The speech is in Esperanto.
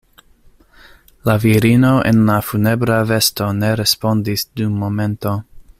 La virino en la funebra vesto ne respondis dum momento.